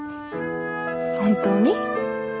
本当に？